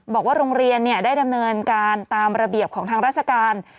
บอกว่าโรงเรียนได้ดำเนินการตามระเบียบของทางราชการ